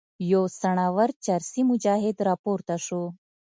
یو څڼور چرسي مجاهد راپورته شو.